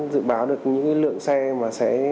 dự báo được những lượng xe mà sẽ